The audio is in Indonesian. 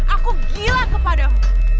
aku gila kepadamu